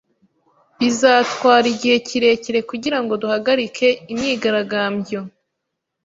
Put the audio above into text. Bizatwara igihe kirekire kugirango duhagarike imyigaragambyo